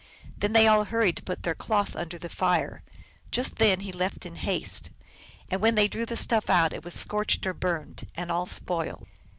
Then they all hurried to put their cloth under the fire. Just then he left in haste. And when they drew the stuff out it was scorched or burned, and all spoiled.